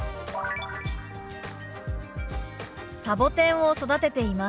「サボテンを育てています」。